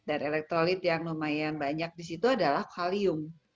dan elektrolit yang lumayan banyak di situ adalah kalium